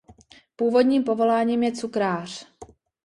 Původním povoláním je cukrář.